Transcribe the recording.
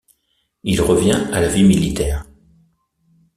Il revient à la vie militaire.